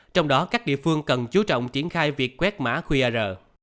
trong đó các địa phương cần chú trọng triển khai việc quét mã qr